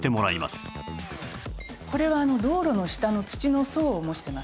これは道路の下の土の層を模してます。